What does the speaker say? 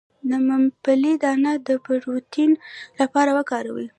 د ممپلی دانه د پروتین لپاره وکاروئ